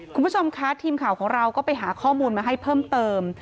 คุณผู้ชมคะทีมข่าวของเราก็ไปหาข้อมูลมาให้เพิ่มเติม